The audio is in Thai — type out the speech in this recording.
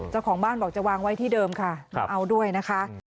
เจ้าของบ้านบอกจะวางไว้ที่เดิมค่ะเอาด้วยนะคะ